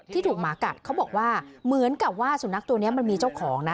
ที่ถูกหมากัดเขาบอกว่าเหมือนกับว่าสุนัขตัวนี้มันมีเจ้าของนะ